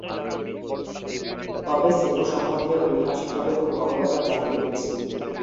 তবে সেপো সম্বন্ধে ঐতিহাসিকভাবে খুব কমই আমরা জানতে পেরেছি।